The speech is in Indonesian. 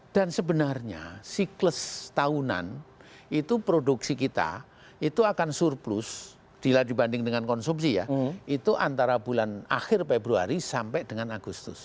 dan sebenarnya siklus tahunan itu produksi kita itu akan surplus dila dibanding dengan konsumsi ya itu antara bulan akhir februari sampai dengan agustus